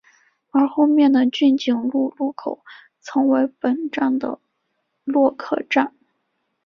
而后面的骏景路路口曾为本站的落客站。